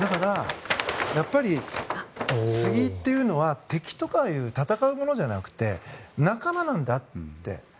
やっぱりスギというのは敵とかいう戦うものじゃなくて仲間なんだって。